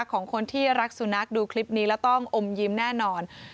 ของคนที่รักสุนัขดูคลิปนี้แล้วต้องอมยิ้มแน่นอน